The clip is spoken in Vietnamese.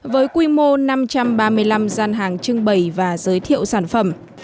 với quy mô năm trăm ba mươi năm gian hàng trưng bày và giới thiệu sản phẩm